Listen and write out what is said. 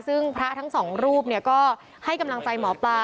ซึ่งพระทั้งสองรูปก็ให้กำลังใจหมอปลา